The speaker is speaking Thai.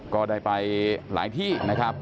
ก็ได้ไปหลายที่